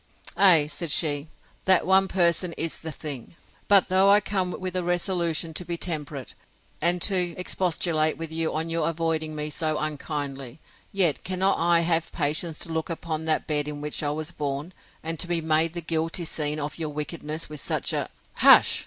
Ay, said she, that one person is the thing!—But though I came with a resolution to be temperate, and to expostulate with you on your avoiding me so unkindly, yet cannot I have patience to look upon that bed in which I was born, and to be made the guilty scene of your wickedness with such a—— Hush!